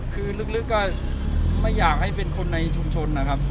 คือลึกก็ไม่อยากให้เป็นคนในชุมชนนะครับ